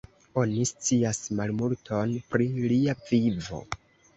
Oni scias malmulton pri lia vivo.